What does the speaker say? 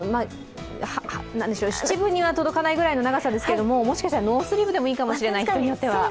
明日、七分には届かないくらいの長さですけれども、もしかしたらノースリーブでもいいかもしれない、人によっては。